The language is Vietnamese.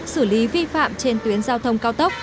xử lý vi phạm trên tuyến giao thông cao tốc